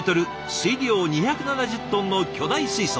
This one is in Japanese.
水量２７０トンの巨大水槽。